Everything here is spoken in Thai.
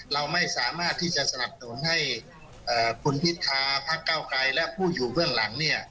เราไม่สามารถที่จะสนับสนุนให้คุณพิธาพักเก้าไกรและผู้อยู่เบื้องหลังเนี่ย